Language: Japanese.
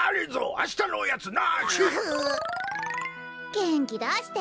げんきだして。